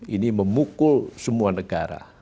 ini memukul semua negara